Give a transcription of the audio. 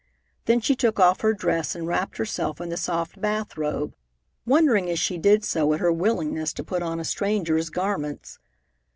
Then she took off her dress and wrapped herself in the soft bath robe, wondering as she did so at her willingness to put on a stranger's garments.